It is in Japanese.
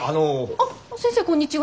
あっ先生こんにちは。